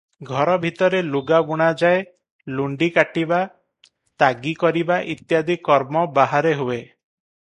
ଘର ଭିତରେ ଲୁଗା ବୁଣାଯାଏ; ଲୁଣ୍ତି କାଟିବା, ତାଗୀ କରିବା ଇତ୍ୟାଦି କର୍ମ ବାହାରେ ହୁଏ ।